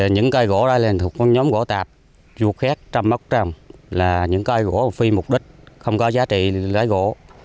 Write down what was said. những cây gỗ đó là nhóm gỗ tạp vụt khét trăm mất trăm là những cây gỗ phi mục đích không có giá trị lấy gỗ